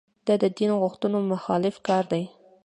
دا د دین غوښتنو مخالف کار دی.